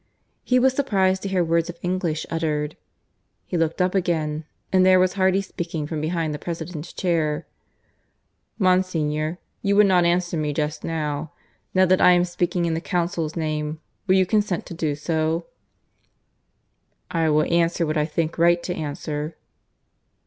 He was surprised to hear words of English uttered. He looked up again, and there was Hardy speaking, from beside the President's chair. "Monsignor, you would not answer me just now. Now that I am speaking in the Council's name, will you consent to do so?" "I will answer what I think right to answer."